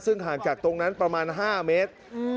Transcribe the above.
ซึ่งห่างจากตรงนั้นประมาณ๕เมตร